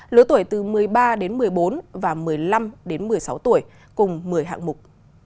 lứa tuổi từ một mươi ba đến một mươi bốn và một mươi năm đến một mươi sáu tuổi cùng một mươi hạng mục